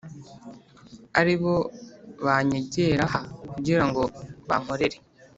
ari bo banyegera h kugira ngo bankorere